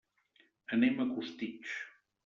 Anem a Costitx.